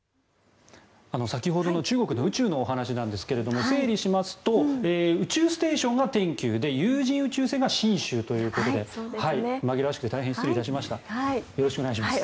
先ほどの中国の宇宙のお話なんですが整理しますと宇宙ステーションが天宮で有人宇宙船が神舟ということで紛らわしくて大変失礼しました。